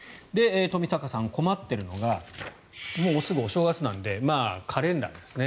冨坂さん、困っているのがもうすぐお正月なのでカレンダーですね。